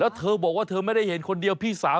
แล้วเธอบอกว่าเธอไม่ได้เห็นคนเดียวพี่สาว